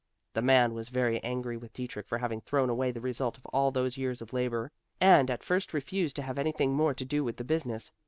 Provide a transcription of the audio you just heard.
The man was very angry with Dietrich for having thrown away the result of all those years of labor, and at first refused to have anything more to do with the business.